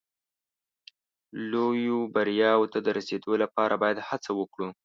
لویو بریاوو ته د رسېدو لپاره باید هڅه وکړو.